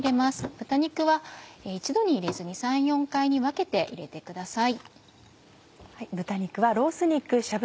豚肉は一度に入れずに３４回に分けて入れてください。